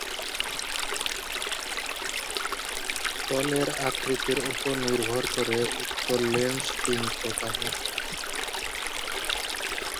তলের আকৃতির ওপর নির্ভর করে উত্তল লেন্স তিন প্রকারের।